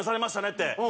って。